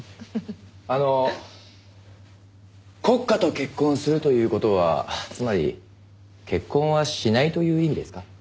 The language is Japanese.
あの国家と結婚するという事はつまり結婚はしないという意味ですか？